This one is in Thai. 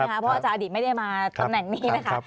เพราะอาจารย์อดีตไม่ได้มาตำแหน่งนี้นะคะ